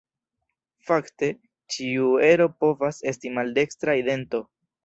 Fakte, ĉiu ero povas esti maldekstra idento.